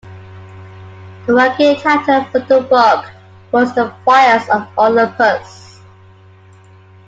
The working title for the book was "The Fires of Olympus".